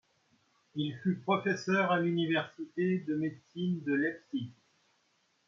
Il fut professeur à l'Université de médecine de Leipzig.